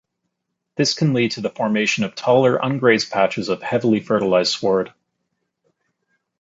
This can lead to the formation of taller ungrazed patches of heavily fertilized sward.